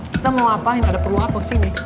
kita mau ngapain ada perlu apa kesini